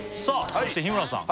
そして日村さん